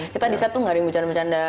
kita di set tuh gak rimu canda canda